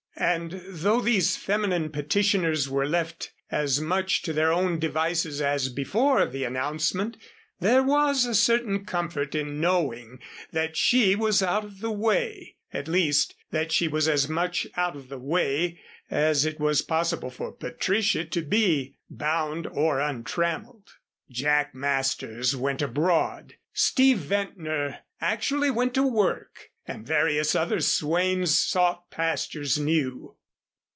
And though these feminine petitioners were left as much to their own devices as before the announcement, there was a certain comfort in knowing that she was out of the way at least, that she was as much out of the way as it was possible for Patricia to be, bound or untrammeled. Jack Masters went abroad, Steve Ventnor actually went to work, and various other swains sought pastures new.